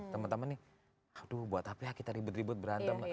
teman teman nih aduh buat apa kita ribut ribut berantem lah